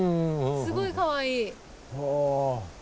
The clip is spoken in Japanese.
すごいかわいい。